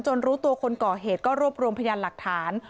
รู้ตัวคนก่อเหตุก็รวบรวมพยานหลักฐาน